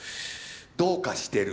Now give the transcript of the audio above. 「どうかしてる」。